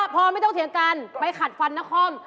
พอไม่ต้องเถียงกันไปขัดฟันนคร